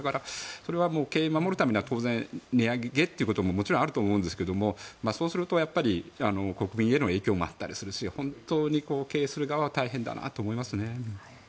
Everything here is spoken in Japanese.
それは経営を守るためには当然、値上げということもあると思うんですがそうすると国民への影響もあったりするし本当に経営する側は大変だなと思いますね。